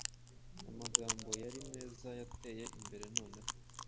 Amagambo yari meza yateye imbere noneho